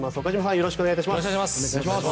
よろしくお願いします。